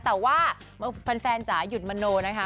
แต่ว่าแฟนจ๋าหยุดมโนนะคะ